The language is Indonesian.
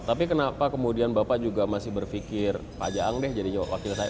tapi kenapa kemudian bapak juga masih berpikir pak jaang deh jadi jawab wakil saya